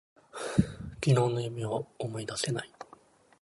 昨日の夢を思い出せない。